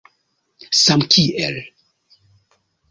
samkiel